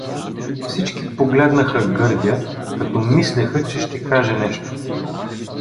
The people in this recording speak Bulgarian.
Всички погледнаха Гърдя, като мислеха, че ще каже нещо.